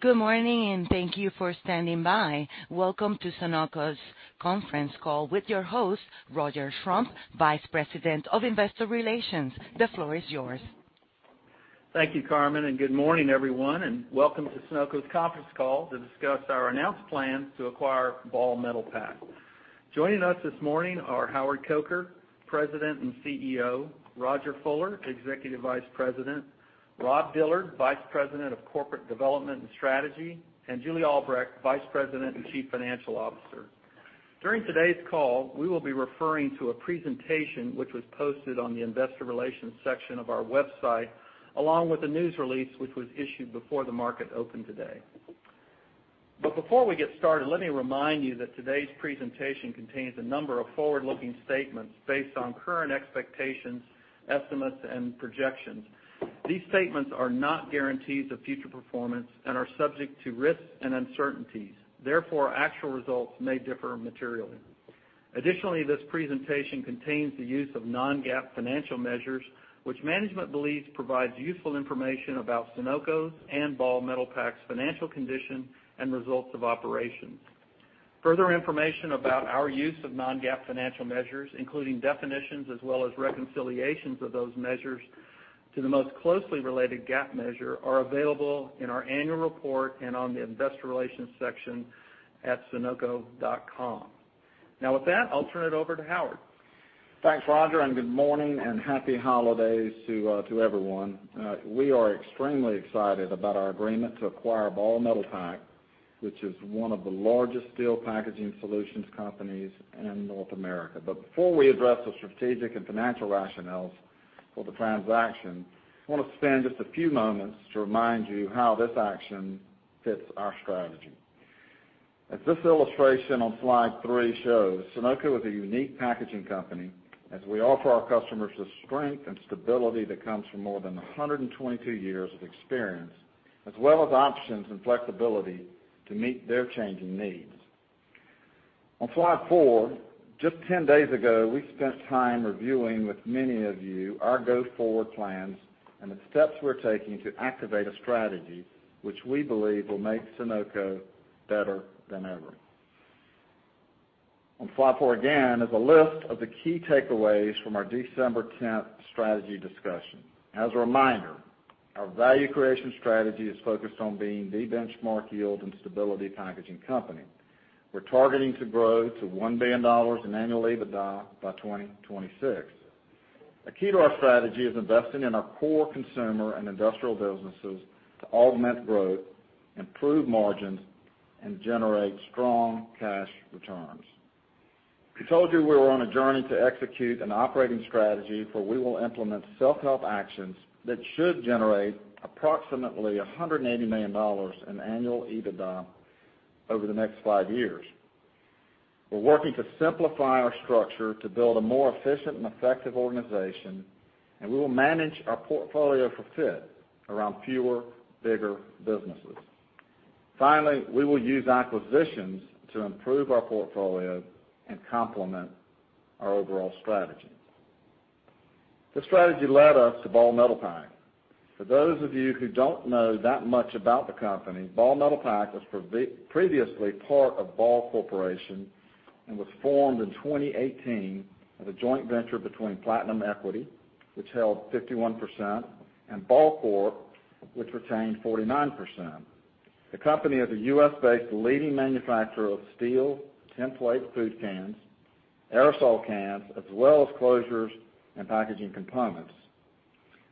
Good morning, and thank you for standing by. Welcome to Sonoco's conference call with your host, Roger Schrum, Vice President of Investor Relations. The floor is yours. Thank you, Carmen, and good morning, everyone, and welcome to Sonoco's conference call to discuss our announced plans to acquire Ball Metalpack. Joining us this morning are Howard Coker, President and CEO, Rodger Fuller, Executive Vice President, Rob Dillard, Vice President of Corporate Development and Strategy, and Julie Albrecht, Vice President and Chief Financial Officer. During today's call, we will be referring to a presentation which was posted on the investor relations section of our website, along with a news release, which was issued before the market opened today. Before we get started, let me remind you that today's presentation contains a number of forward-looking statements based on current expectations, estimates, and projections. These statements are not guarantees of future performance and are subject to risks and uncertainties. Therefore, actual results may differ materially. Additionally, this presentation contains the use of non-GAAP financial measures, which management believes provides useful information about Sonoco's and Ball Metalpack's financial condition and results of operations. Further information about our use of non-GAAP financial measures, including definitions as well as reconciliations of those measures to the most closely related GAAP measure, are available in our annual report and on the investor relations section at sonoco.com. Now with that, I'll turn it over to Howard. Thanks, Roger, and good morning, and happy holidays to everyone. We are extremely excited about our agreement to acquire Ball Metalpack, which is one of the largest steel packaging solutions companies in North America. Before we address the strategic and financial rationales for the transaction, I wanna spend just a few moments to remind you how this action fits our strategy. As this illustration on slide 3 shows, Sonoco is a unique packaging company as we offer our customers the strength and stability that comes from more than 122 years of experience, as well as options and flexibility to meet their changing needs. On slide 4, just 10 days ago, we spent time reviewing with many of you our go-forward plans and the steps we're taking to activate a strategy which we believe will make Sonoco better than ever. On slide 4, again, is a list of the key takeaways from our December 10 strategy discussion. As a reminder, our value creation strategy is focused on being the benchmark yield and stability packaging company. We're targeting to grow to $1 billion in annual EBITDA by 2026. A key to our strategy is investing in our core consumer and industrial businesses to augment growth, improve margins, and generate strong cash returns. We told you we were on a journey to execute an operating strategy, for we will implement self-help actions that should generate approximately $180 million in annual EBITDA over the next 5 years. We're working to simplify our structure to build a more efficient and effective organization, and we will manage our portfolio for fit around fewer, bigger businesses. Finally, we will use acquisitions to improve our portfolio and complement our overall strategy. This strategy led us to Ball Metalpack. For those of you who don't know that much about the company, Ball Metalpack was previously part of Ball Corporation and was formed in 2018 as a joint venture between Platinum Equity, which held 51%, and Ball Corp, which retained 49%. The company is a U.S.-based leading manufacturer of steel tinplate food cans, aerosol cans, as well as closures and packaging components.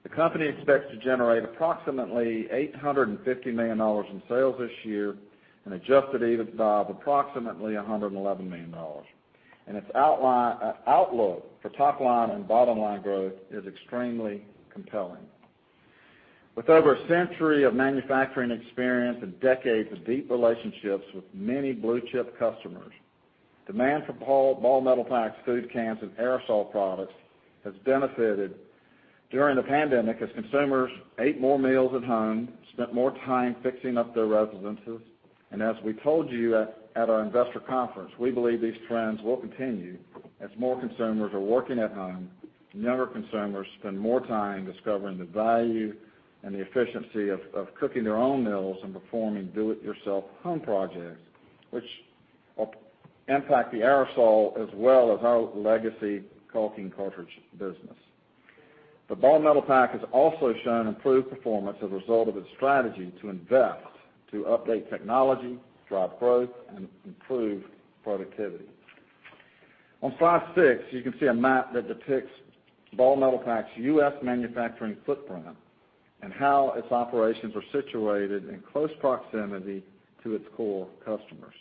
The company expects to generate approximately $850 million in sales this year, an adjusted EBITDA of approximately $111 million, and its outlook for top line and bottom line growth is extremely compelling. With over a century of manufacturing experience and decades of deep relationships with many blue chip customers, demand for Ball Metalpack's food cans and aerosol products has benefited during the pandemic as consumers ate more meals at home, spent more time fixing up their residences. As we told you at our investor conference, we believe these trends will continue as more consumers are working at home and younger consumers spend more time discovering the value and the efficiency of cooking their own meals and performing do-it-yourself home projects, which will impact the aerosol as well as our legacy caulking cartridge business. Ball Metalpack has also shown improved performance as a result of its strategy to invest, to update technology, drive growth, and improve productivity. On slide 6, you can see a map that depicts Ball Metalpack's U.S. manufacturing footprint and how its operations are situated in close proximity to its core customers.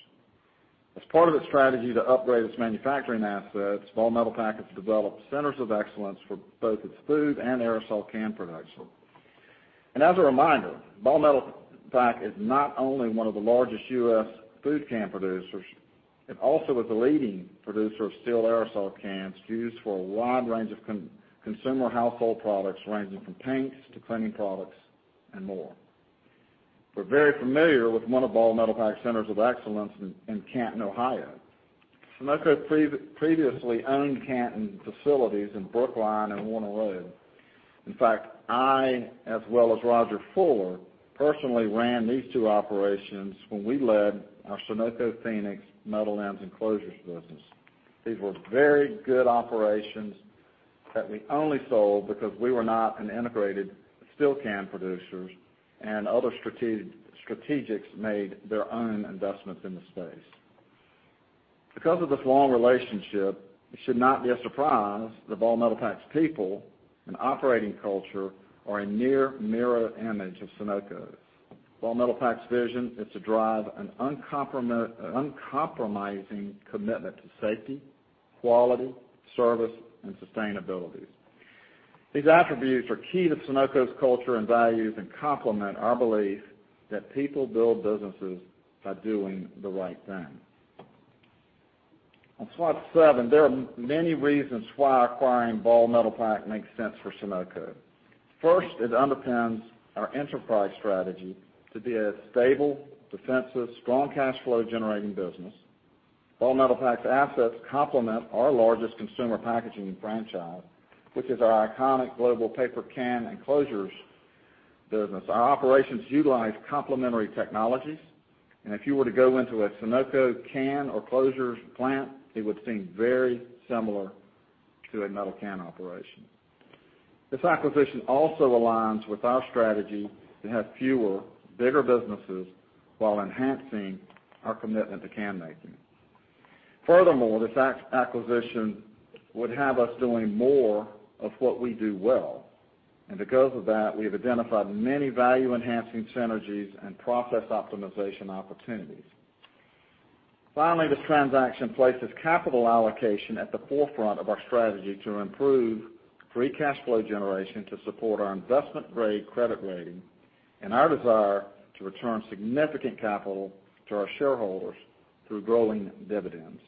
As part of its strategy to upgrade its manufacturing assets, Ball Metalpack has developed centers of excellence for both its food and aerosol can production. As a reminder, Ball Metalpack is not only one of the largest U.S. food can producers, it also is a leading producer of steel aerosol cans used for a wide range of consumer household products, ranging from paints to cleaning products and more. We're very familiar with one of Ball Metalpack's centers of excellence in Canton, Ohio. Sonoco previously owned Canton facilities in Brookline and Warner Road. In fact, I, as well as Rodger Fuller, personally ran these 2 operations when we led our Sonoco Phoenix metal ends and closures business. These were very good operations that we only sold because we were not an integrated steel can producer, and other strategics made their own investments in the space. Because of this long relationship, it should not be a surprise that Ball Metalpack's people and operating culture are a near mirror image of Sonoco's. Ball Metalpack's vision is to drive an uncompromising commitment to safety, quality, service, and sustainability. These attributes are key to Sonoco's culture and values, and complement our belief that people build businesses by doing the right thing. On slide 7, there are many reasons why acquiring Ball Metalpack makes sense for Sonoco. First, it underpins our enterprise strategy to be a stable, defensive, strong cash flow generating business. Ball Metalpack's assets complement our largest consumer packaging franchise, which is our iconic global paper can and closures business. Our operations utilize complementary technologies, and if you were to go into a Sonoco can or closures plant, it would seem very similar to a metal can operation. This acquisition also aligns with our strategy to have fewer, bigger businesses while enhancing our commitment to can making. Furthermore, this acquisition would have us doing more of what we do well, and because of that, we have identified many value-enhancing synergies and process optimization opportunities. Finally, this transaction places capital allocation at the forefront of our strategy to improve free cash flow generation to support our investment-grade credit rating and our desire to return significant capital to our shareholders through growing dividends.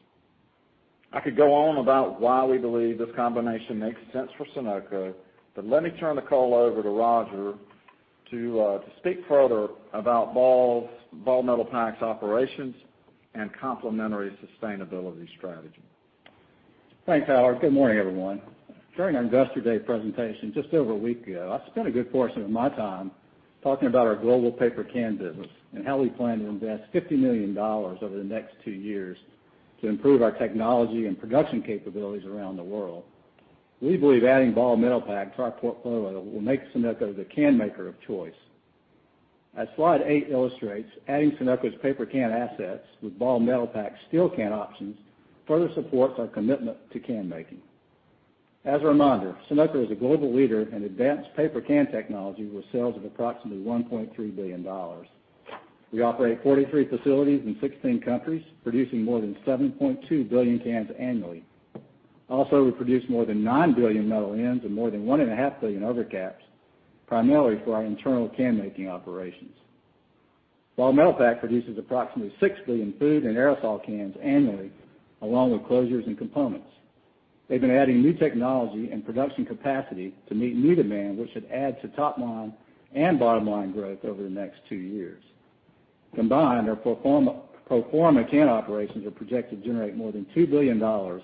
I could go on about why we believe this combination makes sense for Sonoco, but let me turn the call over to Roger to speak further about Ball Metalpack's operations and complementary sustainability strategy. Thanks, Howard. Good morning, everyone. During our Investor Day presentation just over a week ago, I spent a good portion of my time talking about our global paper can business and how we plan to invest $50 million over the next 2 years to improve our technology and production capabilities around the world. We believe adding Ball Metalpack to our portfolio will make Sonoco the can maker of choice. As slide 8 illustrates, adding Sonoco's paper can assets with Ball Metalpack's steel can options further supports our commitment to can making. As a reminder, Sonoco is a global leader in advanced paper can technology with sales of approximately $1.3 billion. We operate 43 facilities in 16 countries, producing more than 7.2 billion cans annually. We produce more than 9 billion metal ends and more than 1.5 billion over caps, primarily for our internal can making operations. Ball Metalpack produces approximately 6 billion food and aerosol cans annually, along with closures and components. They've been adding new technology and production capacity to meet new demand, which should add to top line and bottom line growth over the next 2 years. Combined, their pro forma can operations are projected to generate more than $2 billion of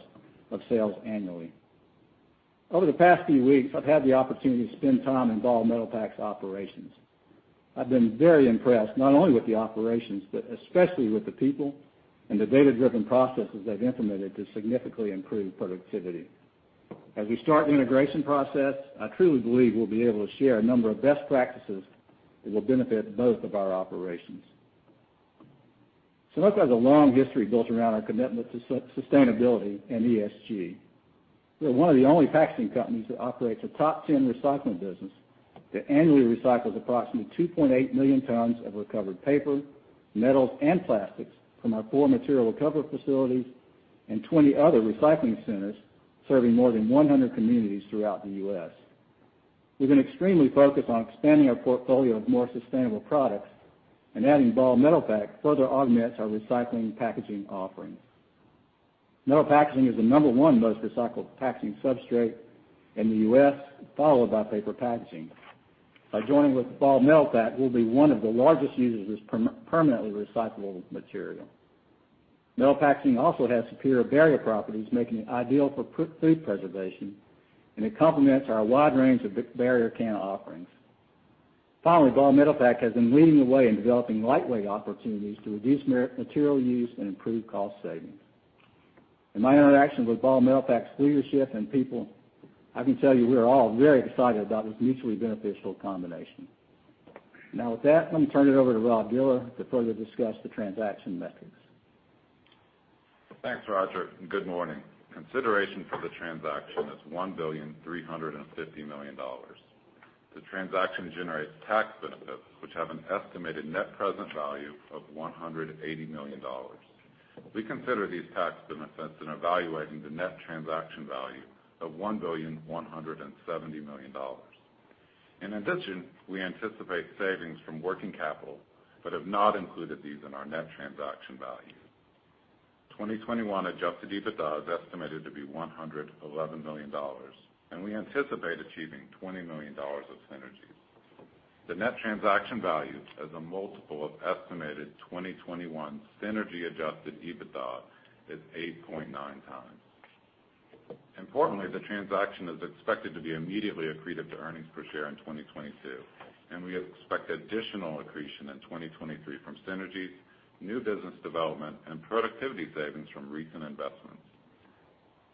sales annually. Over the past few weeks, I've had the opportunity to spend time in Ball Metalpack's operations. I've been very impressed, not only with the operations, but especially with the people and the data-driven processes they've implemented to significantly improve productivity. As we start the integration process, I truly believe we'll be able to share a number of best practices that will benefit both of our operations. Sonoco has a long history built around our commitment to sustainability and ESG. We're one of the only packaging companies that operates a top 10 recycling business that annually recycles approximately 2.8 million tons of recovered paper, metals, and plastics from our 4 material recovery facilities and 20 other recycling centers, serving more than 100 communities throughout the U.S. We've been extremely focused on expanding our portfolio of more sustainable products, and adding Ball Metalpack further augments our recycling packaging offerings. Metal packaging is the number 1 most recycled packaging substrate in the U.S., followed by paper packaging. By joining with Ball Metalpack, we'll be one of the largest users of this permanently recyclable material. Metal packaging also has superior barrier properties, making it ideal for food preservation, and it complements our wide range of barrier can offerings. Finally, Ball Metalpack has been leading the way in developing lightweight opportunities to reduce material use and improve cost savings. In my interactions with Ball Metalpack's leadership and people, I can tell you we are all very excited about this mutually beneficial combination. Now with that, let me turn it over to Rob Dillard to further discuss the transaction metrics. Thanks, Roger, and good morning. Consideration for the transaction is $1.35 billion. The transaction generates tax benefits, which have an estimated net present value of $180 million. We consider these tax benefits in evaluating the net transaction value of $1.17 billion. In addition, we anticipate savings from working capital, but have not included these in our net transaction value. 2021 adjusted EBITDA is estimated to be $111 million, and we anticipate achieving $20 million of synergies. The net transaction value as a multiple of estimated 2021 synergy-adjusted EBITDA is 8.9x. Importantly, the transaction is expected to be immediately accretive to earnings per share in 2022, and we expect additional accretion in 2023 from synergies, new business development, and productivity savings from recent investments.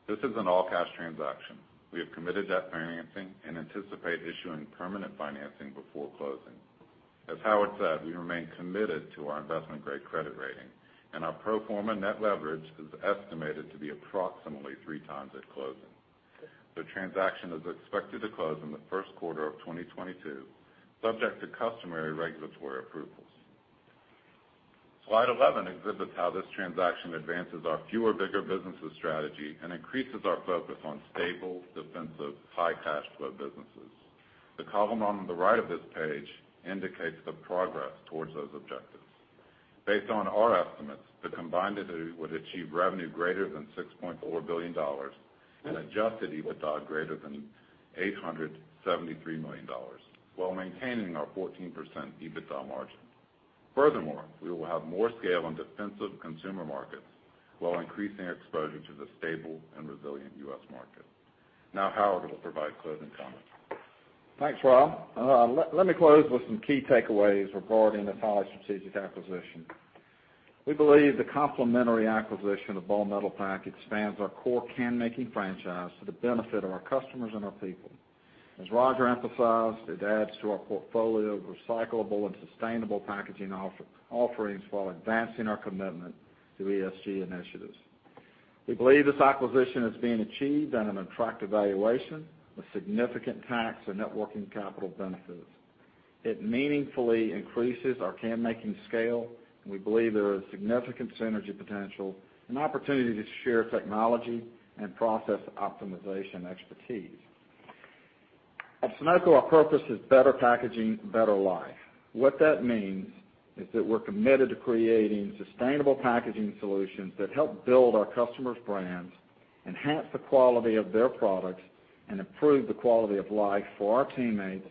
This is an all-cash transaction. We have committed debt financing and anticipate issuing permanent financing before closing. As Howard said, we remain committed to our investment-grade credit rating, and our pro forma net leverage is estimated to be approximately 3x at closing. The transaction is expected to close in the Q1 of 2022, subject to customary regulatory approvals. Slide 11 exhibits how this transaction advances our fewer, bigger businesses strategy and increases our focus on stable, defensive, high cash flow businesses. The column on the right of this page indicates the progress towards those objectives. Based on our estimates, the combined entity would achieve revenue greater than $6.4 billion and adjusted EBITDA greater than $873 million while maintaining our 14% EBITDA margin. Furthermore, we will have more scale on defensive consumer markets while increasing our exposure to the stable and resilient U.S. market. Now Howard will provide closing comments. Thanks, Rob. Let me close with some key takeaways regarding this highly strategic acquisition. We believe the complementary acquisition of Ball Metalpack expands our core can-making franchise for the benefit of our customers and our people. As Roger emphasized, it adds to our portfolio of recyclable and sustainable packaging offerings while advancing our commitment to ESG initiatives. We believe this acquisition is being achieved at an attractive valuation with significant tax and net working capital benefits. It meaningfully increases our can-making scale, and we believe there is significant synergy potential and opportunity to share technology and process optimization expertise. At Sonoco, our purpose is better packaging, better life. What that means is that we're committed to creating sustainable packaging solutions that help build our customers' brands, enhance the quality of their products, and improve the quality of life for our teammates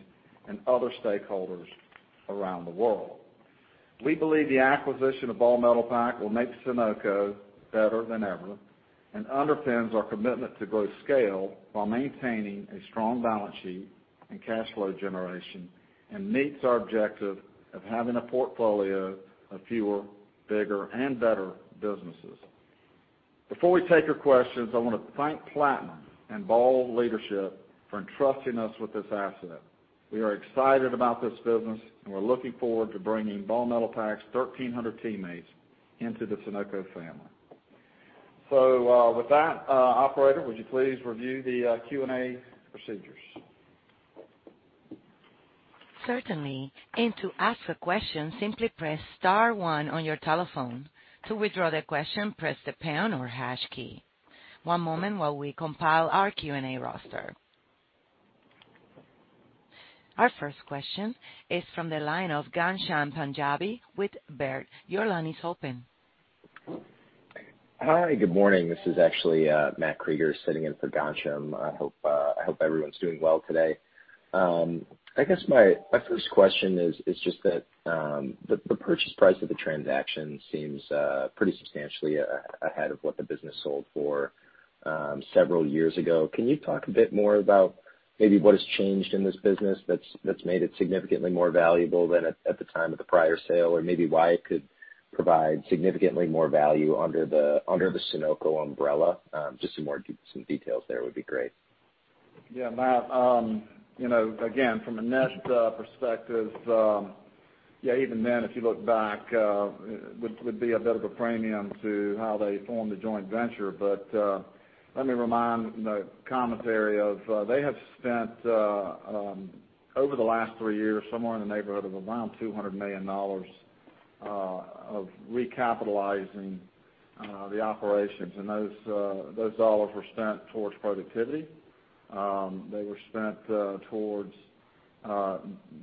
and other stakeholders around the world. We believe the acquisition of Ball Metalpack will make Sonoco better than ever and underpins our commitment to grow scale while maintaining a strong balance sheet and cash flow generation, and meets our objective of having a portfolio of fewer, bigger, and better businesses. Before we take your questions, I want to thank Platinum and Ball leadership for entrusting us with this asset. We are excited about this business, and we're looking forward to bringing Ball Metalpack's 1,300 teammates into the Sonoco family. With that, operator, would you please review the Q&A procedures? Our first question is from the line of Ghansham Panjabi with Baird. Your line is open. Hi, good morning. This is actually Matt Krueger sitting in for Ghansham. I hope everyone's doing well today. I guess my first question is just that the purchase price of the transaction seems pretty substantially ahead of what the business sold for several years ago. Can you talk a bit more about maybe what has changed in this business that's made it significantly more valuable than at the time of the prior sale? Or maybe why it could provide significantly more value under the Sonoco umbrella? Just some more details there would be great. Yeah, Matt. You know, again, from a net perspective, yeah, even then, if you look back, it would be a bit of a premium to how they formed the joint venture. Let me remind you of the commentary that they have spent over the last 3 years, somewhere in the neighborhood of around $200 million of recapitalizing the operations. Those dollars were spent towards productivity. They were spent towards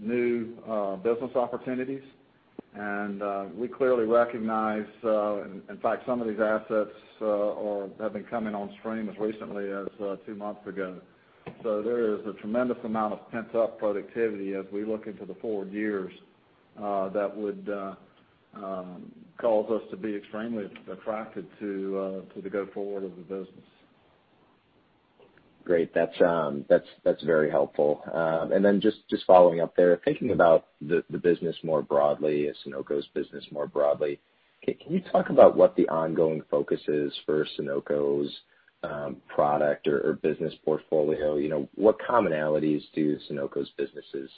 new business opportunities. We clearly recognize, in fact, some of these assets have been coming on stream as recently as 2 months ago. There is a tremendous amount of pent-up productivity as we look into the forward years that would cause us to be extremely attracted to the go-forward of the business. Great. That's very helpful. Then just following up there, thinking about the business more broadly, Sonoco's business more broadly, can you talk about what the ongoing focus is for Sonoco's product or business portfolio? You know, what commonalities do Sonoco's businesses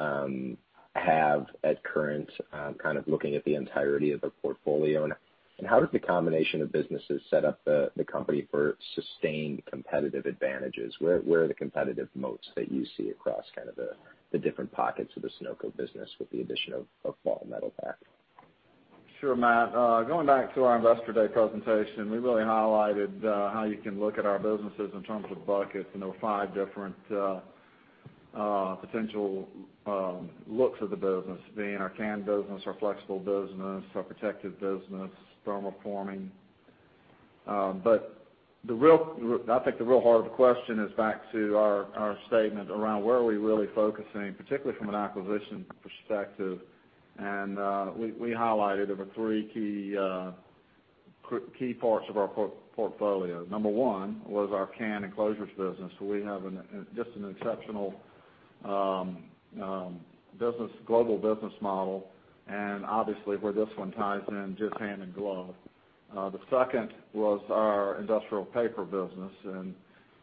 have at current kind of looking at the entirety of the portfolio? And how does the combination of businesses set up the company for sustained competitive advantages? Where are the competitive moats that you see across kind of the different pockets of the Sonoco business with the addition of Ball Metalpack? Sure, Matt. Going back to our Investor Day presentation, we really highlighted how you can look at our businesses in terms of buckets. There were 5 different potential looks of the business, being our can business, our flexible business, our protective business, thermoforming. I think the real heart of the question is back to our statement around where we are really focusing, particularly from an acquisition perspective. We highlighted our 3 key parts of our portfolio. Number 1 was our can and closures business, where we have just an exceptional business, global business model, and obviously, where this one ties in just hand in glove. The second was our industrial paper business.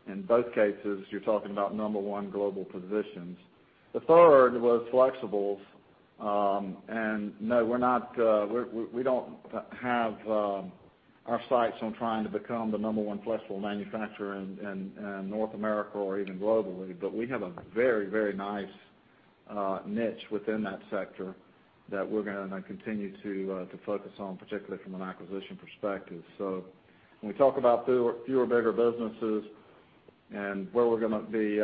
In both cases, you're talking about number 1 global positions. The third was flexibles. No, we're not. We don't have our sights on trying to become the number 1 flexible manufacturer in North America or even globally. We have a very nice niche within that sector that we're gonna continue to focus on, particularly from an acquisition perspective. When we talk about fewer bigger businesses and where we're gonna be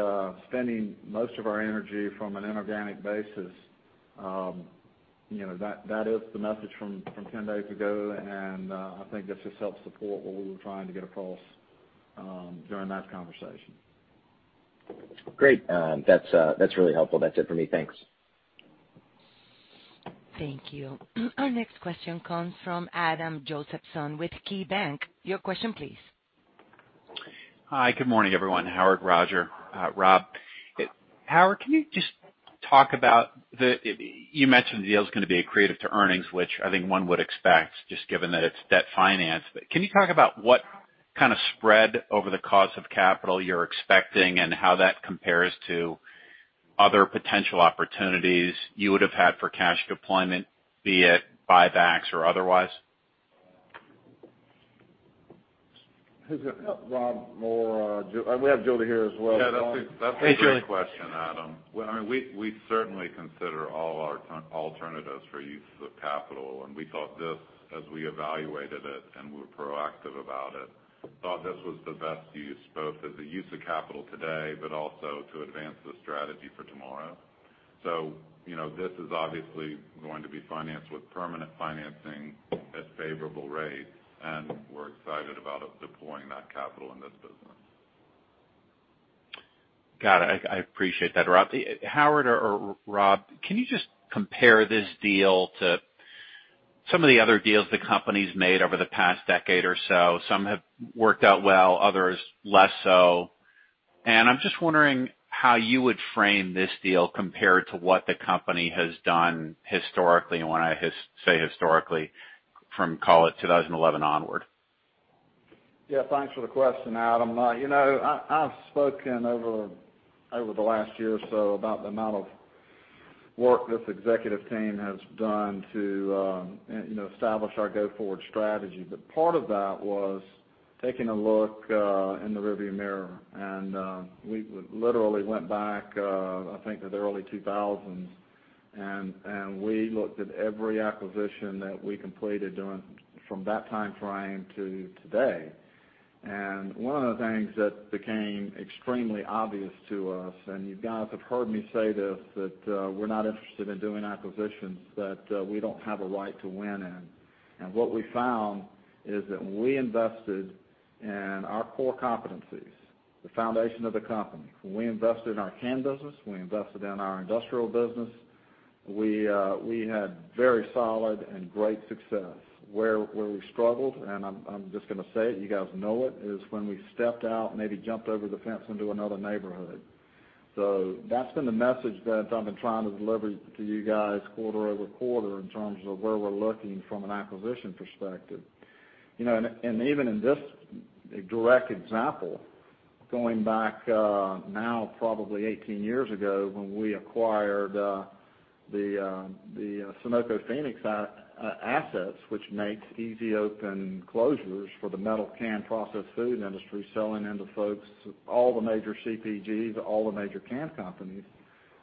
spending most of our energy from an inorganic basis, you know, that is the message from 10 days ago. I think this just helps support what we were trying to get across during that conversation. Great. That's really helpful. That's it for me. Thanks. Thank you. Our next question comes from Adam Josephson with KeyBanc. Your question please. Hi. Good morning, everyone. Howard, Roger, Rob. Howard, can you just talk about, you mentioned the deal is gonna be accretive to earnings, which I think one would expect just given that it's debt-financed. Can you talk about what kind of spread over the cost of capital you're expecting and how that compares to other potential opportunities you would have had for cash deployment, be it buybacks or otherwise? Rob, we have Jody here as well. Yeah, that's a great question, Adam. Well, I mean, we certainly consider all our alternatives for uses of capital. We thought this as we evaluated it, and we're proactive about it. Thought this was the best use, both as a use of capital today, but also to advance the strategy for tomorrow. You know, this is obviously going to be financed with permanent financing at favorable rates. We're excited about deploying that capital in this business. Got it. I appreciate that, Rob. Howard or Rob, can you just compare this deal to some of the other deals the company's made over the past decade or so? Some have worked out well, others less so. I'm just wondering how you would frame this deal compared to what the company has done historically. When I say historically from call it 2011 onward. Yeah. Thanks for the question, Adam. You know, I've spoken over the last year or so about the amount of work this executive team has done to, you know, establish our go-forward strategy. Part of that was taking a look in the rearview mirror. We literally went back, I think to the early 2000s. We looked at every acquisition that we completed from that time frame to today. One of the things that became extremely obvious to us, and you guys have heard me say this, that we're not interested in doing acquisitions that we don't have a right to win in. What we found is that when we invested in our core competencies, the foundation of the company. When we invested in our can business, when we invested in our industrial business, we had very solid and great success. Where we struggled, and I'm just gonna say it, you guys know it, is when we stepped out and maybe jumped over the fence into another neighborhood. That's been the message that I've been trying to deliver to you guys quarter-over-quarter in terms of where we're looking from an acquisition perspective. You know, even in this direct example, going back, now probably 18 years ago when we acquired the Sonoco Phoenix assets which make easy open closures for the metal can processed food industry selling into folks all the major CPGs, all the major can companies.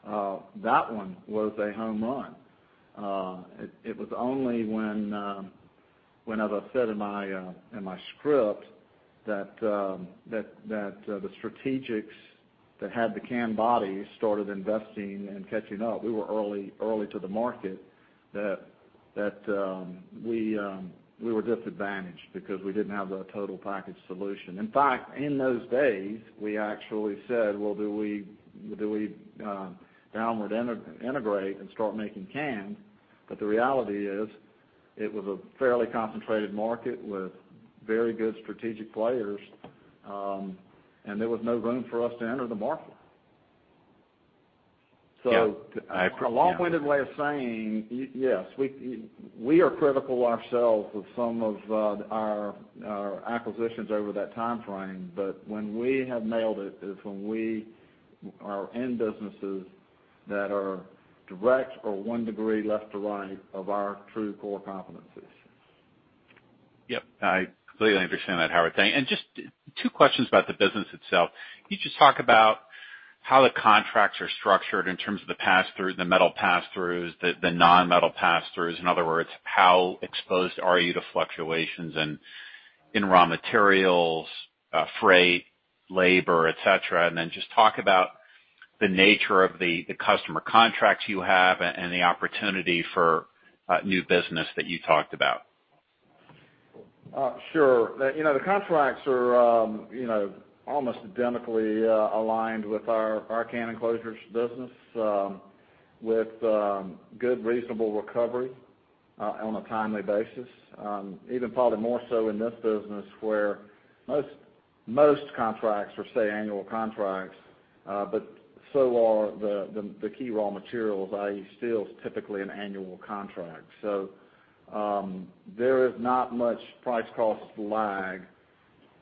That one was a home run. It was only when, as I said in my script, that the strategics that had the can body started investing and catching up. We were early to the market that we were disadvantaged because we didn't have the total package solution. In fact, in those days we actually said, well, do we downward integrate and start making cans? The reality is it was a fairly concentrated market with very good strategic players, and there was no room for us to enter the market. Yeah. A long-winded way of saying, yes, we are critical of ourselves, of some of our acquisitions over that time frame. When we have nailed it is when we are in businesses that are direct or 1 degree left to right of our true core competencies. Yep. I completely understand that, Howard. Just 2 questions about the business itself. Can you just talk about how the contracts are structured in terms of the pass-throughs, the metal pass-throughs, the non-metal pass-throughs. In other words, how exposed are you to fluctuations in raw materials, freight, labor, et cetera. Then just talk about the nature of the customer contracts you have and the opportunity for new business that you talked about. Sure. You know, the contracts are, you know, almost identically aligned with our can enclosures business, with good reasonable recovery on a timely basis. Even probably more so in this business where most contracts are, say, annual contracts, but so are the key raw materials, i.e., steel is typically an annual contract. There is not much price cost lag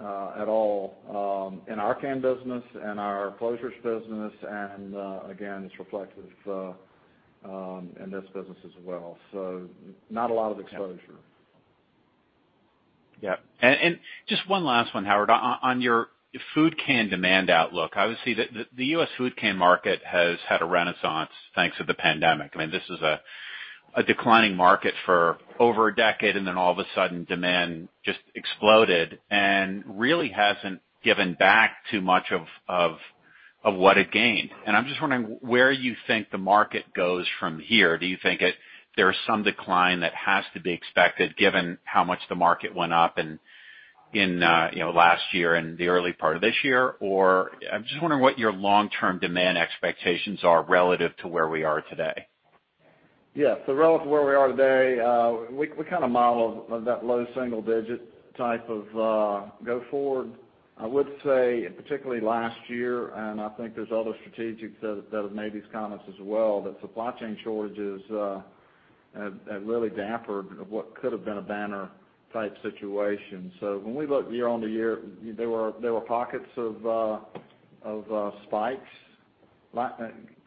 at all in our can business and our closures business and, again, it's reflective in this business as well. Not a lot of exposure. Yeah. Just 1 last one, Howard. On your food can demand outlook, obviously the U.S. food can market has had a renaissance thanks to the pandemic. I mean, this is a declining market for over a decade, and then all of a sudden, demand just exploded and really hasn't given back too much of what it gained. I'm just wondering where you think the market goes from here. Do you think there's some decline that has to be expected given how much the market went up in, you know, last year and the early part of this year? I'm just wondering what your long-term demand expectations are relative to where we are today. Yeah. Relative to where we are today, we kind of model that low single-digit type of go forward. I would say particularly last year, and I think there's other strategists that have made these comments as well, that supply chain shortages have really dampened what could have been a banner type situation. When we look year-on-year, there were pockets of spikes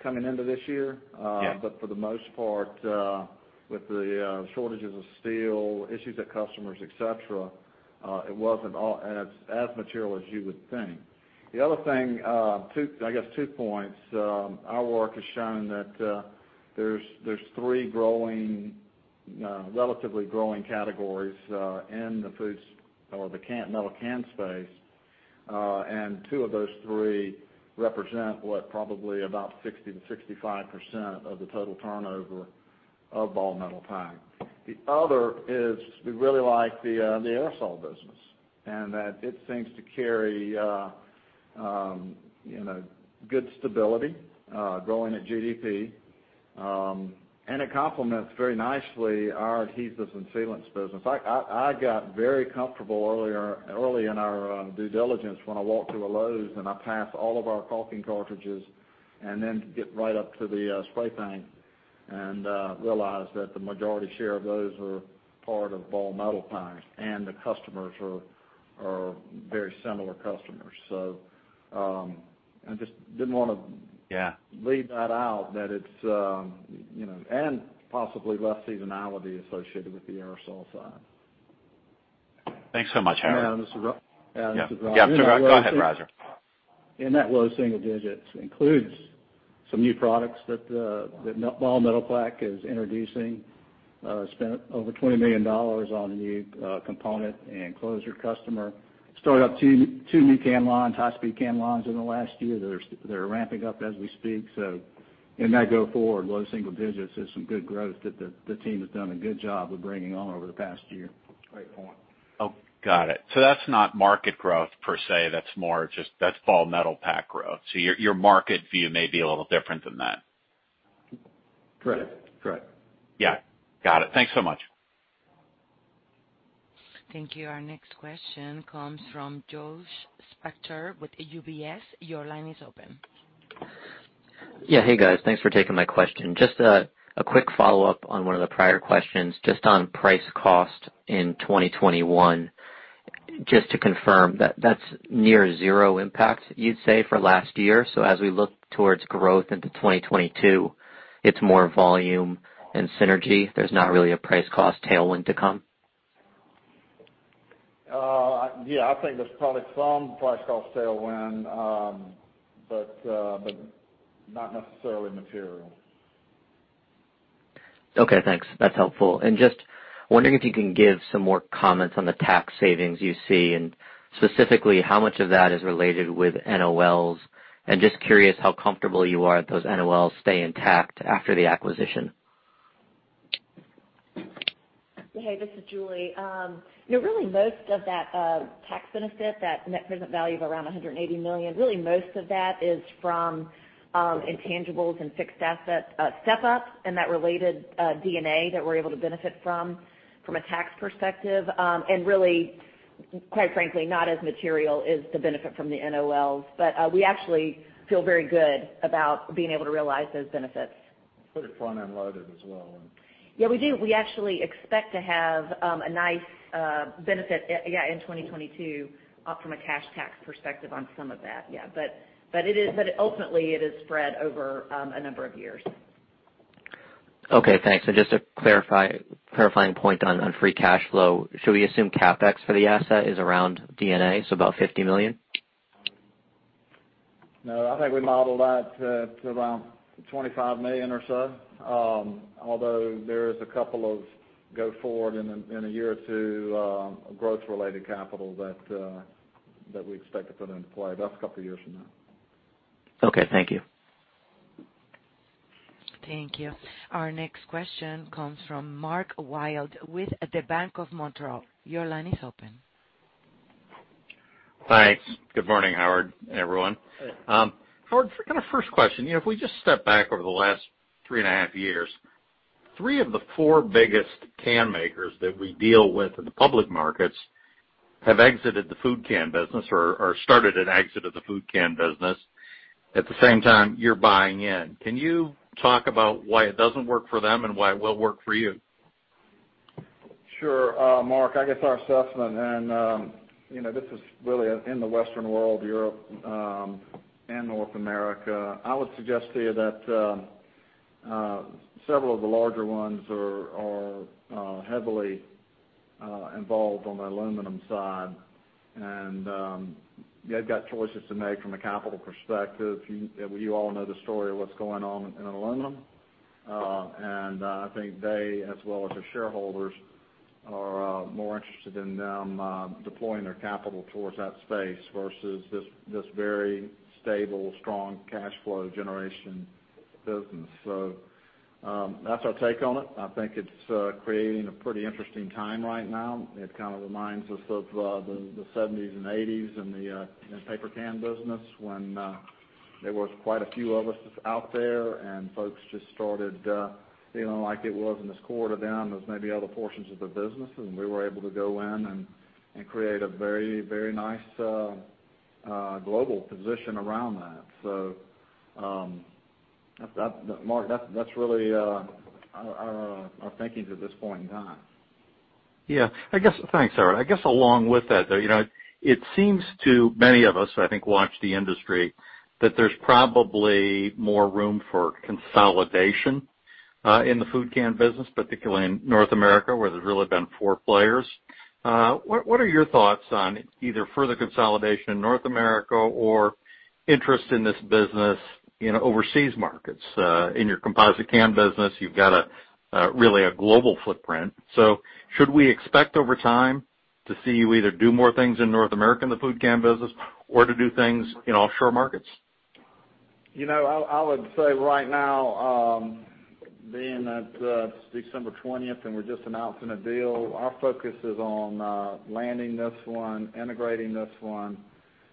coming into this year. Yeah. But for the most part, with the shortages of steel, issues at customers, et cetera, it wasn't all as material as you would think. The other thing, I guess 2 points, our work has shown that there's 3 growing, relatively growing categories in the foods or metal can space. 2 of those 3 represent what? Probably about 60% to 65% of the total turnover of Ball Metalpack. The other is we really like the aerosol business, and that it seems to carry, you know, good stability, growing at GDP. It complements very nicely our adhesives and sealants business. I got very comfortable early in our due diligence when I walked through a Lowe's and I passed all of our caulking cartridges and then got right up to the spray paint and realized that the majority share of those were part of Ball Metalpack, and the customers are very similar customers. I just didn't wanna- Yeah. Possibly less seasonality associated with the aerosol side. Thanks so much, Howard. Yeah, this is Ro- Yeah. Yeah, this is Rodger. Yeah. Go ahead, Roger. That low single digits includes some new products that in Ball Metalpack is introducing. Spent over $20 million on new component and closure customer. Started up 2 new can lines, high-speed can lines in the last year. They're ramping up as we speak. In that go-forward, low single digits, there's some good growth that the team has done a good job of bringing on over the past year. Great point. Oh, got it. That's not market growth per se. That's more just Ball Metalpack growth. Your market view may be a little different than that. Correct. Correct. Yeah. Got it. Thanks so much. Thank you. Our next question comes from Josh Spector with UBS. Your line is open. Yeah. Hey, guys. Thanks for taking my question. Just a quick follow-up on one of the prior questions, just on price cost in 2021. Just to confirm, that's near 0 impact, you'd say, for last year. As we look towards growth into 2022, it's more volume and synergy. There's not really a price cost tailwind to come. Yeah. I think there's probably some price cost tailwind, but not necessarily material. Okay, thanks. That's helpful. Just wondering if you can give some more comments on the tax savings you see, and specifically how much of that is related with NOLs? Just curious how comfortable you are that those NOLs stay intact after the acquisition? Hey, this is Julie. You know, really most of that tax benefit, that net present value of around $180 million, really most of that is from intangibles and fixed asset step up and that related D&A that we're able to benefit from a tax perspective. Really, quite frankly, not as material as the benefit from the NOLs. We actually feel very good about being able to realize those benefits. It's pretty front-end loaded as well. Yeah, we do. We actually expect to have a nice benefit in 2022 from a cash tax perspective on some of that. Ultimately, it is spread over a number of years. Okay, thanks. Just to clarify clarifying point on free cash flow. Should we assume CapEx for the asset is around D&A, so about $50 million? No, I think we modeled that to around $25 million or so. Although there is a couple of go-forward in a year or 2, growth-related capital that we expect to put into play, that's a couple years from now. Okay, thank you. Thank you. Our next question comes from Mark Wilde with the Bank of Montreal. Your line is open. Thanks. Good morning, Howard and everyone. Hey. Howard, kind of first question, you know, if we just step back over the last 3.5 years, 3 of the 4 biggest can makers that we deal with in the public markets have exited the food can business or started an exit of the food can business at the same time you're buying in. Can you talk about why it doesn't work for them and why it will work for you? Sure, Mark, I guess our assessment and you know this is really in the western world, Europe, and North America. I would suggest to you that several of the larger ones are heavily involved on the aluminum side. They've got choices to make from a capital perspective. You all know the story of what's going on in aluminum. I think they, as well as their shareholders, are more interested in them deploying their capital towards that space versus this very stable, strong cash flow generation business. That's our take on it. I think it's creating a pretty interesting time right now. It kind of reminds us of the 70s and 80s and the you know paper can business when there was quite a few of us out there, and folks just started you know like it was in this quarter down there was maybe other portions of the business. We were able to go in and create a very nice global position around that. Mark, that's really our thinking at this point in time. Yeah, I guess. Thanks, Howard. I guess along with that, though, you know, it seems to many of us, I think watch the industry, that there's probably more room for consolidation in the food can business, particularly in North America, where there's really been 4 players. What are your thoughts on either further consolidation in North America or interest in this business in overseas markets? In your composite can business, you've got a really global footprint. Should we expect over time to see you either do more things in North America in the food can business or to do things in offshore markets? You know, I would say right now, being at December 20th, and we're just announcing a deal, our focus is on landing this one, integrating this one,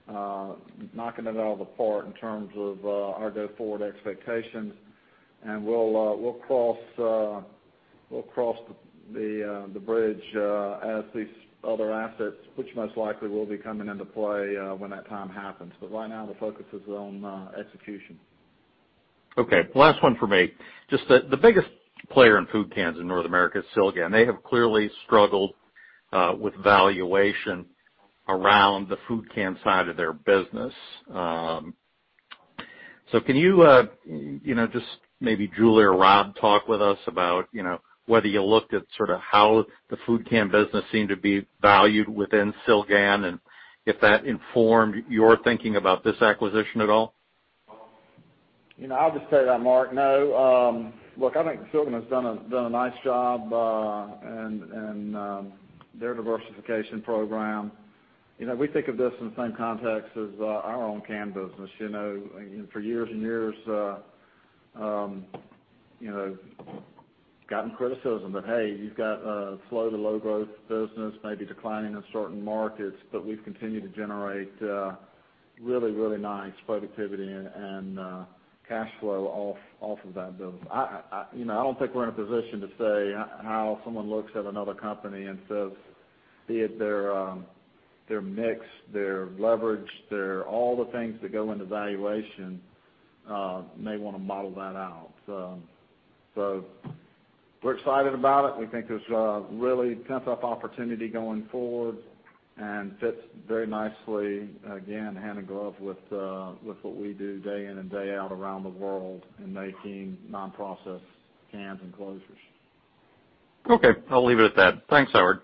knocking it out of the park in terms of our go-forward expectations. We'll cross the bridge as these other assets, which most likely will be coming into play when that time happens. Right now, the focus is on execution. Okay, last one from me. Just the biggest player in food cans in North America is Silgan. They have clearly struggled with valuation around the food can side of their business. Can you you know just maybe Julie or Rob talk with us about you know whether you looked at sort of how the food can business seemed to be valued within Silgan, and if that informed your thinking about this acquisition at all? You know, I'll just tell you that, Mark, no. Look, I think Silgan has done a nice job and their diversification program. You know, we think of this in the same context as our own can business. You know, for years and years, we've gotten criticism that, hey, you've got a slow to low growth business, maybe declining in certain markets, but we've continued to generate really nice productivity and cash flow off of that business. You know, I don't think we're in a position to say how someone looks at another company and says, be it their mix, their leverage, their all the things that go into valuation, may wanna model that out. We're excited about it. We think there's a really pent-up opportunity going forward and fits very nicely, again, hand in glove with what we do day in and day out around the world in making non-process cans and closures. Okay, I'll leave it at that. Thanks, Howard.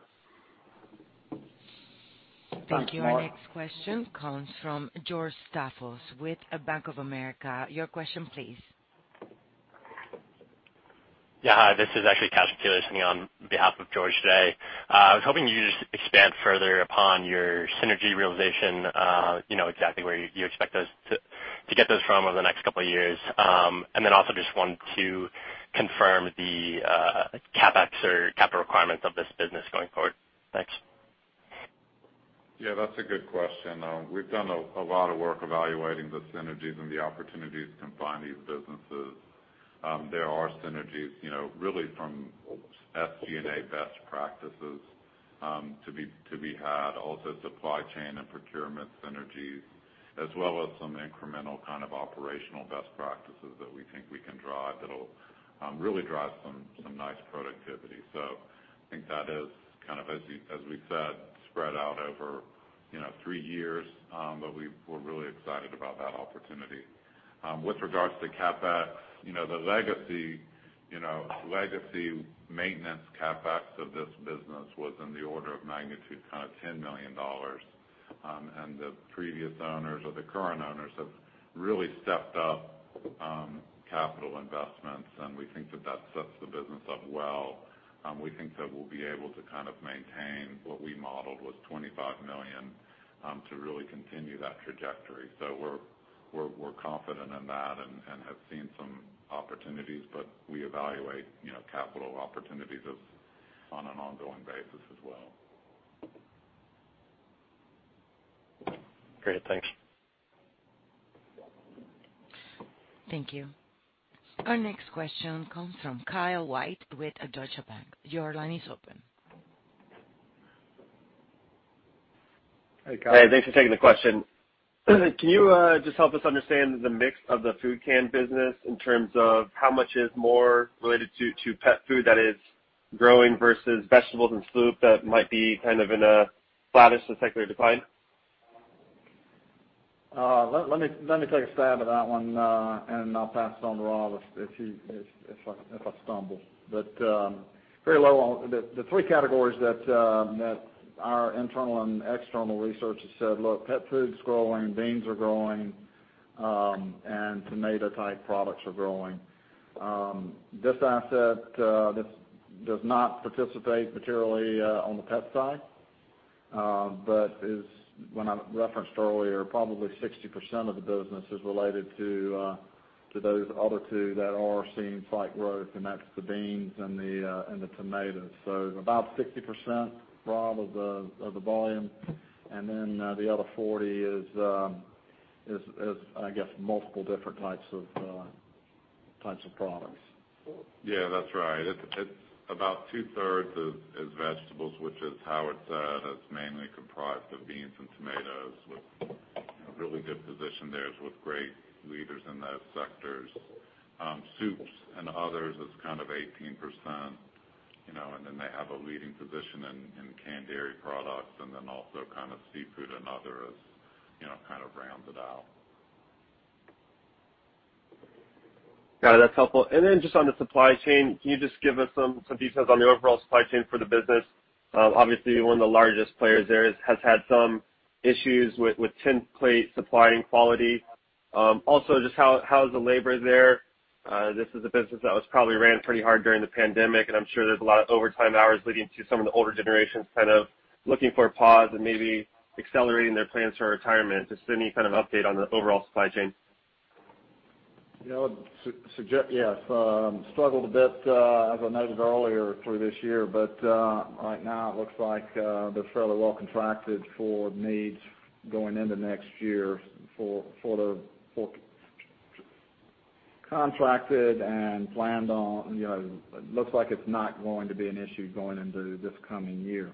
Thanks, Mark. Thank you. Our next question comes from George Staphos with Bank of America. Your question please. Yeah, hi, this is actually Cash Taylor sitting in on behalf of George today. I was hoping you just expand further upon your synergy realization, you know, exactly where you expect to get those from over the next couple of years. Also just wanted to confirm the CapEx or capital requirements of this business going forward. Thanks. Yeah, that's a good question. We've done a lot of work evaluating the synergies and the opportunities combining these businesses. There are synergies, you know, really from SG&A best practices, to be had, also supply chain and procurement synergies, as well as some incremental kind of operational best practices that we think we can drive that'll really drive some nice productivity. I think that is kind of, as we said, spread out over, you know, 3 years. We're really excited about that opportunity. With regards to CapEx, you know, the legacy maintenance CapEx of this business was in the order of magnitude kind of $10 million. The previous owners or the current owners have really stepped up capital investments, and we think that sets the business up well. We think that we'll be able to kind of maintain what we modeled with $25 million to really continue that trajectory. We're confident in that and have seen some opportunities, but we evaluate, you know, capital opportunities as on an ongoing basis as well. Great. Thanks. Thank you. Our next question comes from Kyle White with Deutsche Bank. Your line is open. Hi, Kyle. Hey, thanks for taking the question. Can you just help us understand the mix of the food can business in terms of how much is more related to pet food that is growing versus vegetables and soup that might be kind of in a flattish to secular decline? Let me take a stab at that one, and I'll pass it on to Rob if I stumble. Very low on the 3 categories that our internal and external research has said, look, pet food's growing, beans are growing, and tomato-type products are growing. This asset does not participate materially on the pet side, but when I referenced earlier, probably 60% of the business is related to those other 2 that are seeing slight growth, and that's the beans and the tomatoes. About 60%, Rob, of the volume, and then the other 40% is, I guess, multiple different types of products. Yeah, that's right. It's about 2/3 is vegetables, which is how it's mainly comprised of beans and tomatoes with, you know, really good position there with great leaders in those sectors. Soups and others is kind of 18%, you know, and then they have a leading position in canned dairy products and then also kind of seafood and others, you know, kind of rounds it out. Got it. That's helpful. Then just on the supply chain, can you just give us some details on the overall supply chain for the business? Obviously one of the largest players there has had some issues with tin plate supplying quality. Also just how is the labor there? This is a business that was probably ran pretty hard during the pandemic, and I'm sure there's a lot of overtime hours leading to some of the older generations kind of looking for a pause and maybe accelerating their plans for retirement. Just any kind of update on the overall supply chain. You know, yes, struggled a bit, as I noted earlier for this year, but right now it looks like they're fairly well contracted for needs going into next year for the contracted and planned on. You know, looks like it's not going to be an issue going into this coming year.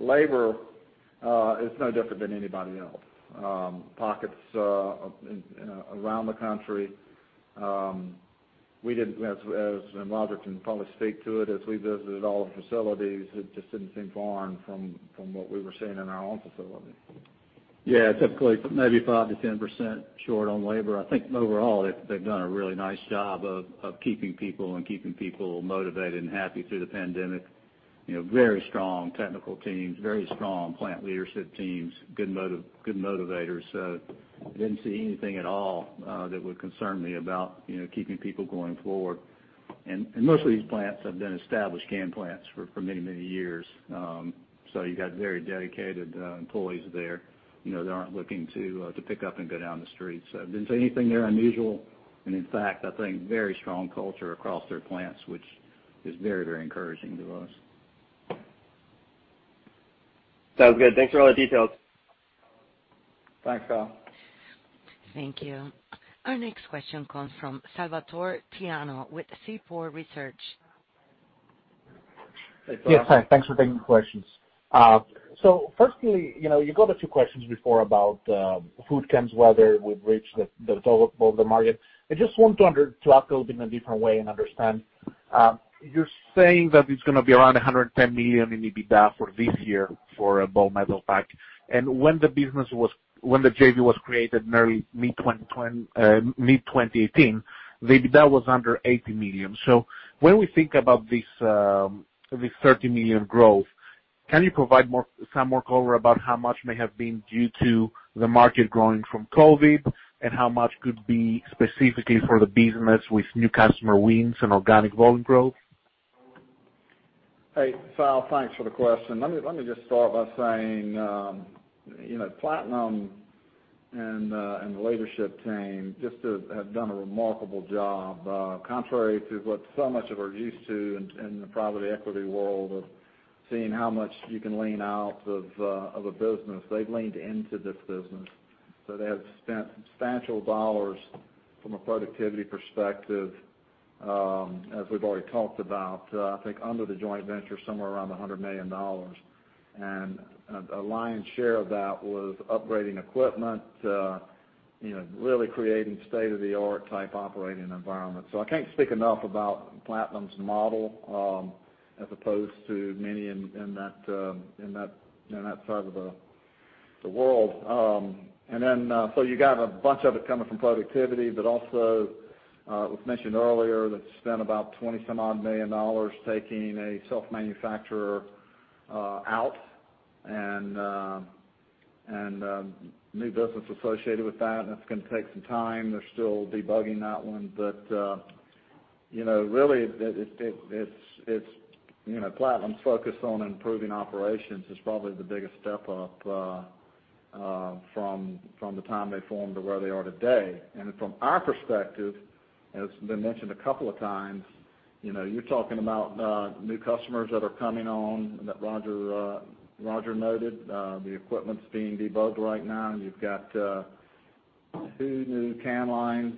Labor is no different than anybody else. Pockets in and around the country, we didn't, and Roger can probably speak to it as we visited all the facilities. It just didn't seem different from what we were seeing in our own facility. Yeah, typically maybe 5% to 10% short on labor. I think overall they've done a really nice job of keeping people motivated and happy through the pandemic. You know, very strong technical teams, very strong plant leadership teams, good motivators. Didn't see anything at all that would concern me about, you know, keeping people going forward. Most of these plants have been established can plants for many years. You got very dedicated employees there, you know, that aren't looking to pick up and go down the street. Didn't see anything there unusual. In fact, I think very strong culture across their plants, which is very encouraging to us. Sounds good. Thanks for all the details. Thanks, Kyle. Thank you. Our next question comes from Salvator Tiano with Vertical Research Partners. Yes. Hi. Thanks for taking the questions. Firstly, you know, you got a few questions before about food cans, whether we've reached the total of the market. I just want to ask a little bit in a different way and understand. You're saying that it's gonna be around $110 million in EBITDA for this year for Ball Metalpack. When the JV was created in early mid-2018, the EBITDA was under $80 million. When we think about this $30 million growth, can you provide some more color about how much may have been due to the market growing from COVID? And how much could be specifically for the business with new customer wins and organic volume growth? Hey, Sal, thanks for the question. Let me just start by saying, you know, Platinum and the leadership team just have done a remarkable job. Contrary to what so much of what we're used to in the private equity world of seeing how much you can lean out of a business. They've leaned into this business. They have spent substantial dollars from a productivity perspective, as we've already talked about, I think under the joint venture, somewhere around $100 million. A lion's share of that was upgrading equipment, you know, really creating state-of-the-art type operating environment. I can't speak enough about Platinum's model, as opposed to many in that side of the world. You got a bunch of it coming from productivity, but also, it was mentioned earlier that they spent about $20 million taking a self-manufacturer out and new business associated with that, and that's gonna take some time. They're still debugging that one. You know, really, it's Platinum's focus on improving operations is probably the biggest step up from the time they formed to where they are today. From our perspective, it's been mentioned a couple of times, you know, you're talking about new customers that are coming on, that Roger noted. The equipment's being debugged right now, and you've got 2 new 2-piece can lines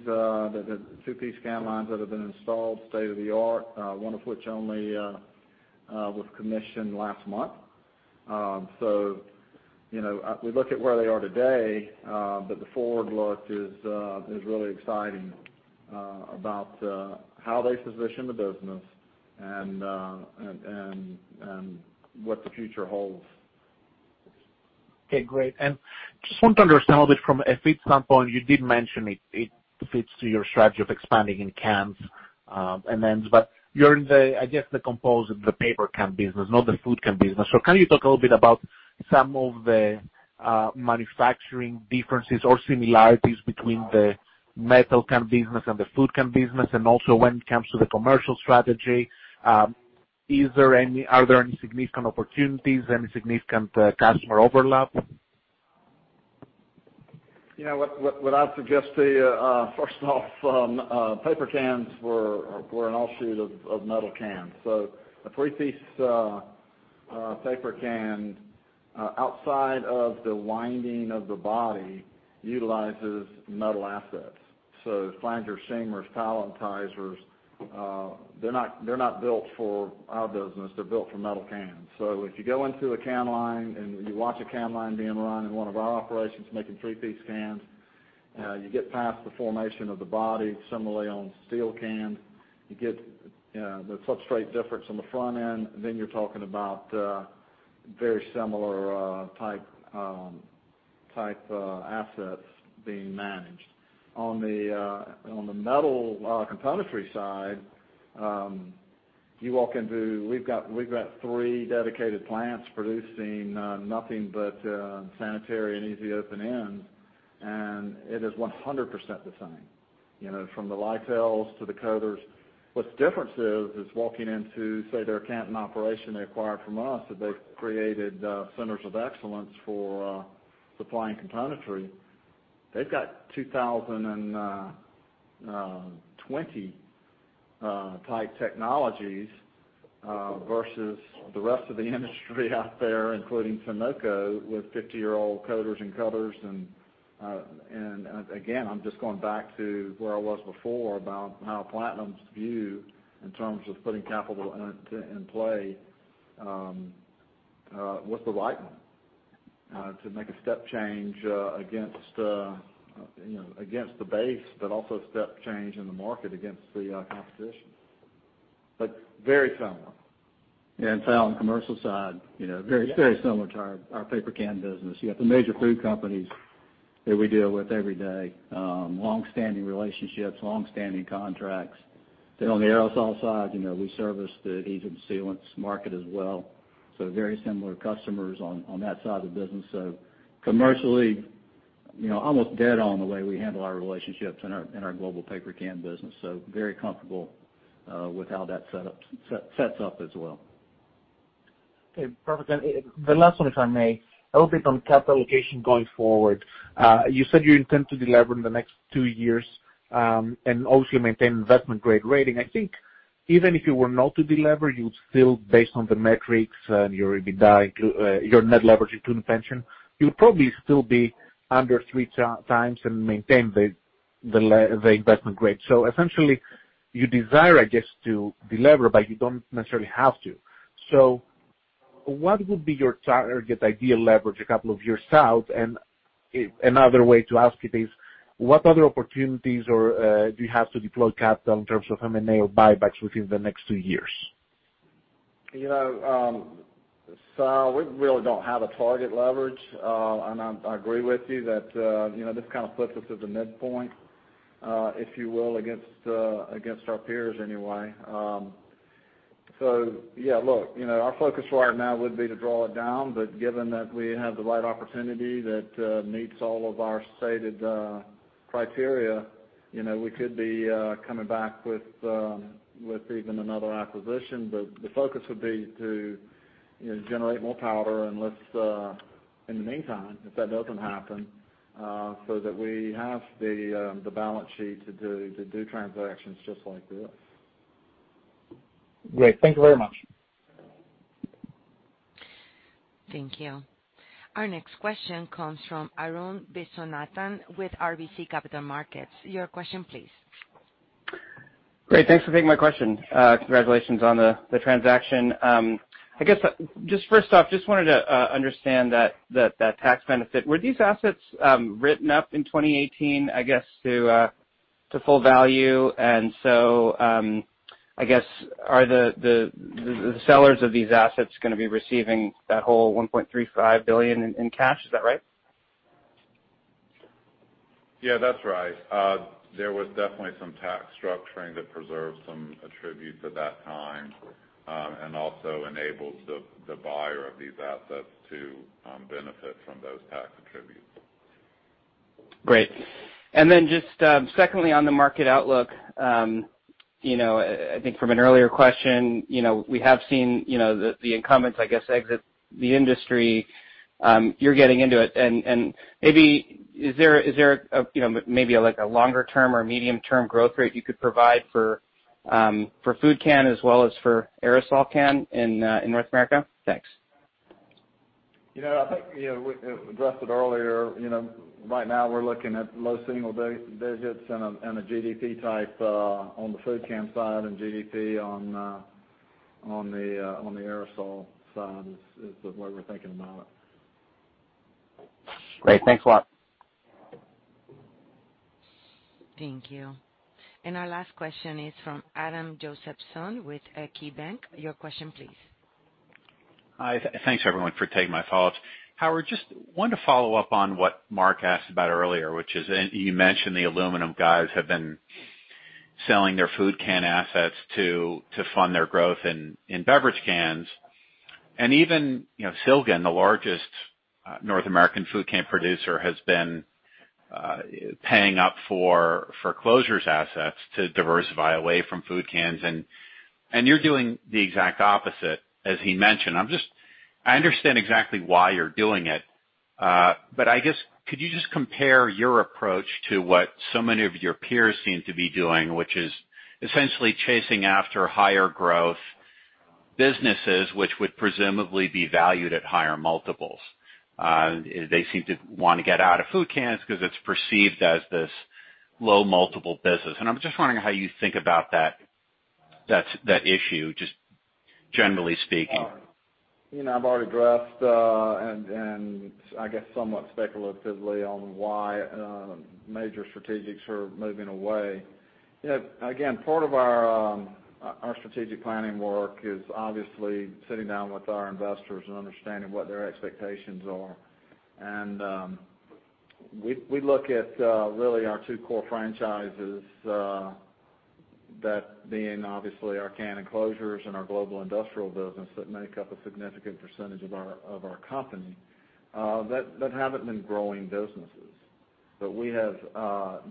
that have been installed, state-of-the-art, one of which only was commissioned last month. You know, we look at where they are today, but the forward look is really exciting about how they position the business and what the future holds. Okay, great. Just want to understand a bit from a fit standpoint. You did mention it fits to your strategy of expanding in cans and ends, but you're in the, I guess, the composite paper can business, not the food can business. Can you talk a little bit about some of the manufacturing differences or similarities between the metal can business and the food can business? Also when it comes to the commercial strategy, are there any significant opportunities, any significant customer overlap? You know what I'd suggest to you first off, paper cans were an offshoot of metal cans. A 3-piece paper can outside of the winding of the body utilizes metal assets. Flangers, seamers, palletizers, they're not built for our business. They're built for metal cans. If you go into a can line and you watch a can line being run in one of our operations making 3-piece cans, you get past the formation of the body similarly on steel cans, you get the substrate difference on the front end, then you're talking about very similar type assets being managed. On the metal componentry side, we've got 3 dedicated plants producing nothing but sanitary and easy open ends, and it is 100% the same, you know, from the litho lines to the coaters. What the difference is walking into, say, their Canton operation they acquired from us that they've created centers of excellence for supplying componentry. They've got 2,020-type technologies versus the rest of the industry out there, including Sonoco, with 50-year-old coaters and covers. I'm just going back to where I was before about how Platinum's view in terms of putting capital in play was the right one to make a step change against you know against the base, but also step change in the market against the competition. Very similar. Sal, on the commercial side, you know, very, very similar to our paper can business. You got the major food companies that we deal with every day, longstanding relationships, longstanding contracts. On the aerosol side, you know, we service the adhesives and sealants market as well. Very similar customers on that side of the business. Commercially, you know, almost dead on the way we handle our relationships in our global paper can business, so very comfortable with how that sets up as well. Okay, perfect. The last one, if I may. A little bit on capital allocation going forward. You said you intend to delever in the next 2 years, and also maintain investment-grade rating. I think even if you were not to delever, you would still, based on the metrics and your EBITDA, your net leverage including pension, you'll probably still be under 3x and maintain the investment grade. Essentially, you desire, I guess, to delever, but you don't necessarily have to. What would be your target ideal leverage a couple of years out? Another way to ask it is, what other opportunities do you have to deploy capital in terms of M&A or buybacks within the next 2 years? You know, Sal, we really don't have a target leverage. I agree with you that, you know, this kind of puts us at the midpoint, if you will, against our peers anyway. Yeah, look, you know, our focus right now would be to draw it down, but given that we have the right opportunity that meets all of our stated criteria, you know, we could be coming back with even another acquisition. The focus would be to, you know, generate more powder unless in the meantime if that doesn't happen, so that we have the balance sheet to do transactions just like this. Great. Thank you very much. Thank you. Our next question comes from Arun Viswanathan with RBC Capital Markets. Your question please. Great. Thanks for taking my question. Congratulations on the transaction. I guess just first off just wanted to understand that tax benefit. Were these assets written up in 2018, I guess to full value. I guess are the sellers of these assets gonna be receiving that whole $1.35 billion in cash? Is that right? Yeah, that's right. There was definitely some tax structuring to preserve some attributes at that time, and also enables the buyer of these assets to benefit from those tax attributes. Great. Just secondly, on the market outlook, you know, I think from an earlier question, you know, we have seen, you know, the incumbents, I guess, exit the industry. You're getting into it. Maybe is there a, you know, maybe like a longer term or medium-term growth rate you could provide for food can as well as for aerosol can in North America? Thanks. You know, I think, you know, we addressed it earlier. You know, right now we're looking at low single digits and a GDP type on the food can side and GDP on the aerosol side is the way we're thinking about it. Great. Thanks a lot. Thank you. Our last question is from Adam Josephson with KeyBanc. Your question please. Hi. Thanks everyone for taking my calls. Howard, just wanted to follow up on what Mark asked about earlier, which is you mentioned the aluminum guys have been selling their food can assets to fund their growth in beverage cans. Even, you know, Silgan, the largest North American food can producer, has been paying up for closures assets to diversify away from food cans. You're doing the exact opposite, as he mentioned. I understand exactly why you're doing it. I guess, could you just compare your approach to what so many of your peers seem to be doing, which is essentially chasing after higher growth businesses, which would presumably be valued at higher multiples? They seem to wanna get out of food cans because it's perceived as this low multiple business. I'm just wondering how you think about that issue, just generally speaking. You know, I've already addressed, and I guess somewhat speculatively on why major strategics are moving away. You know, again, part of our strategic planning work is obviously sitting down with our investors and understanding what their expectations are. We look at really our 2 core franchises that being obviously our can and closures and our global industrial business that make up a significant percentage of our company that haven't been growing businesses. We have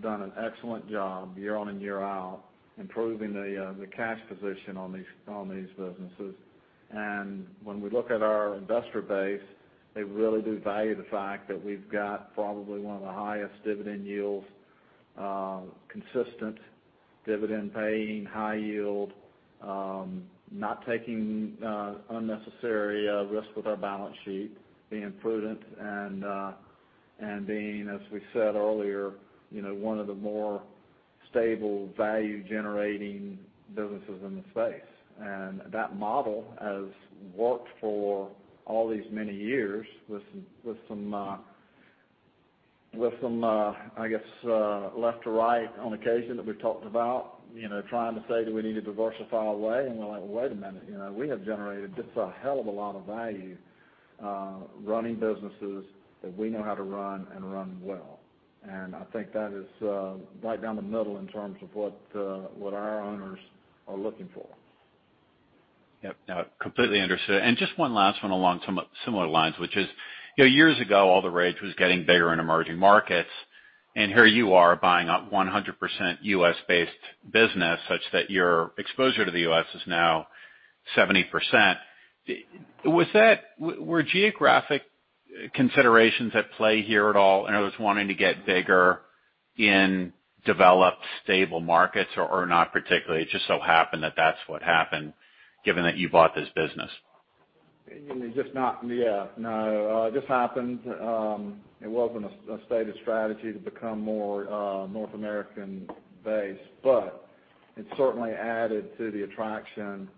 done an excellent job year on and year out, improving the cash position on these businesses. When we look at our investor base, they really do value the fact that we've got probably one of the highest dividend yields, consistent dividend paying, high yield, not taking unnecessary risk with our balance sheet, being prudent and being, as we said earlier, you know, one of the more stable value-generating businesses in the space. That model has worked for all these many years with some I guess left to right on occasion that we've talked about, you know, trying to say, do we need to diversify away? We're like, "Well, wait a minute, you know, we have generated just a hell of a lot of value, running businesses that we know how to run and run well." I think that is right down the middle in terms of what our owners are looking for. Yep. No, completely understood. Just 1 last one along some similar lines, which is, you know, years ago, all the rage was getting bigger in emerging markets, and here you are buying up 100% U.S.-based business such that your exposure to the U.S. is now 70%. Were geographic considerations at play here at all, in other words, wanting to get bigger in developed stable markets, or not particularly? It just so happened that that's what happened given that you bought this business. It just happened. It wasn't a stated strategy to become more North American based, but it certainly added to the attraction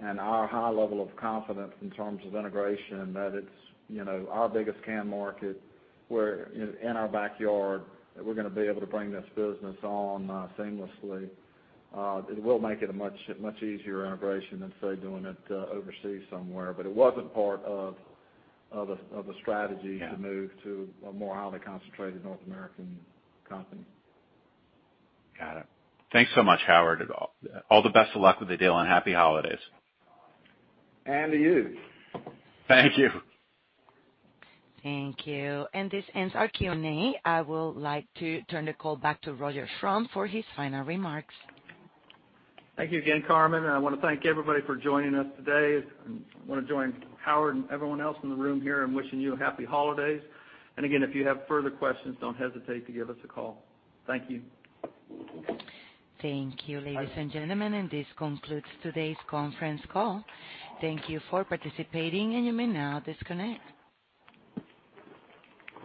and our high level of confidence in terms of integration that it's, you know, our biggest can market. We're in our backyard. We're gonna be able to bring this business on seamlessly. It will make it a much easier integration than, say, doing it overseas somewhere. It wasn't part of a strategy. Yeah. to move to a more highly concentrated North American company. Got it. Thanks so much, Howard. All the best of luck with the deal and happy holidays. To you. Thank you. Thank you. This ends our Q&A. I would like to turn the call back to Roger Schrum for his final remarks. Thank you again, Carmen, and I wanna thank everybody for joining us today. I wanna join Howard and everyone else in the room here in wishing you happy holidays. Again, if you have further questions, don't hesitate to give us a call. Thank you. Thank you, ladies and gentlemen. This concludes today's conference call. Thank you for participating, and you may now disconnect.